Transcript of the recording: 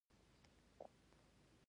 حرکت کول پکار دي